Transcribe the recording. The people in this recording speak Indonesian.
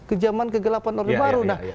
ke zaman kegelapan orde baru nah